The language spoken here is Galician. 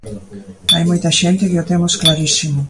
Hai moita xente que o temos clarísimo.